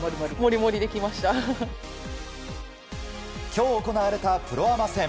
今日行われたプロアマ戦。